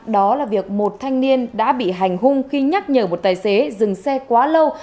đó là việc một thanh niên đã bị hành hung khi nhắc nhở một tài xế dừng xe quá lâu